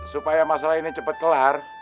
supaya masalah ini cepat kelar